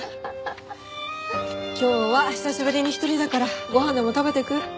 今日は久しぶりに一人だからご飯でも食べていく？